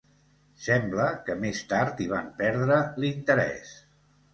Sembla que més tard hi van perdre l'interès.